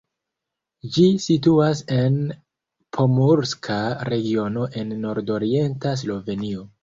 Ĝi situas en Pomurska regiono en nordorienta Slovenio.